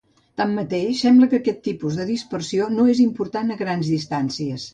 Tanmateix, sembla que aquest tipus de dispersió no és important a grans distàncies.